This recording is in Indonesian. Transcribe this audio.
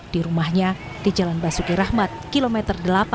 di rumahnya di jalan basuki rahmat kilometer delapan puluh